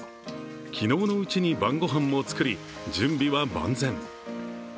昨日のうちに晩ご飯も作り準備は万全。